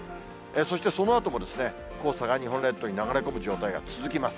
そしてそのあとも黄砂が日本列島に流れ込む状態が続きます。